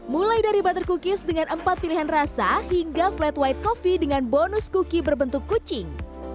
mulai dari butter cookies dengan empat pilihan rasa hingga flat white coffee dengan bonus cooki berbentuk kucing